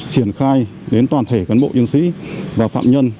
triển khai đến toàn thể cán bộ chiến sĩ và phạm nhân